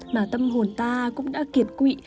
mà tâm hồn ta cũng đã kiệt quỵ